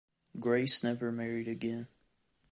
Grace never married again.